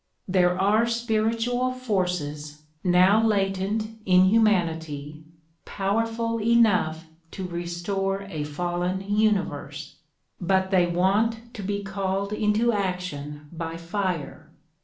There are spiritual forces now latent in humanity powerful enough to restore a fallen universe; but they want to be called into action by fire.